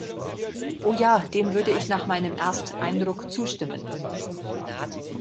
Oh ja, dem würde ich nach meinem erst Eindruck zustimmen.